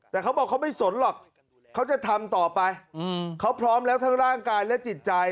แต่เขาบอกเขาไม่สนหรอกเขาจะทำต่อไปเขาพร้อมแล้วทั้งร่างกายและจิตใจ